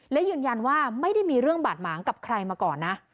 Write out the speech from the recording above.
และยืนยันว่าไม่ได้มีเรื่องบาดหมางกับใครมาก่อนนะ